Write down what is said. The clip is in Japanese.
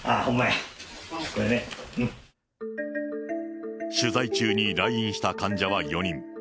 これね、取材中に来院した患者は４人。